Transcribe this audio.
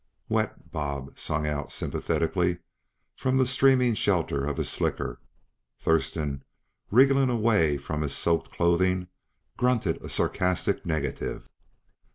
"Wet?" Bob sung out sympathetically from the streaming shelter of his slicker. Thurston, wriggling away from his soaked clothing, grunted a sarcastic negative.